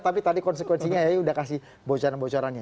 tapi tadi konsekuensinya yayu udah kasih bocoran bocorannya